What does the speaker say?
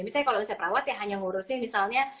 misalnya kalau misalnya perawat ya hanya ngurusin misalnya